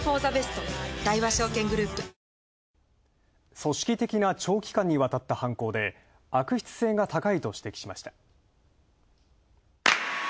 組織的な長期間にわたった犯行で、悪質性が高いと指摘しました。